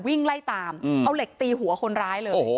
วิ่งไล่ตามเอาเหล็กตีหัวคนร้ายเลย